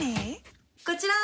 こちら！